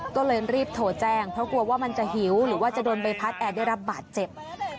ก็เลยรีบโทรแจ้งเพราะกลัวว่ามันจะหิวหรือว่าจะโดนใบพัดแอร์ได้รับบาดเจ็บ